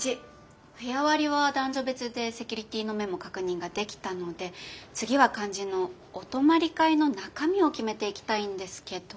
部屋割りは男女別でセキュリティーの面も確認ができたので次は肝心のお泊まり会の中身を決めていきたいんですけど。